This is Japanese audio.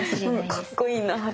かっこいいって？